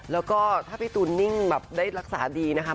แล้วก็ถ้าพี่ตูนนิ่งแบบได้รักษาดีนะคะ